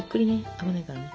危ないからね。